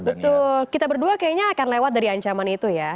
betul kita berdua kayaknya akan lewat dari ancaman itu ya